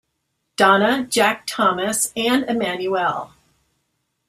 Donna, Jack Thomas and Emmanuel.